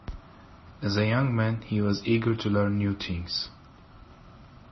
As a young man he was eager to learn new things.